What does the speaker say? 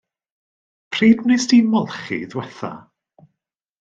Pryd wnest ti molchi ddiwetha?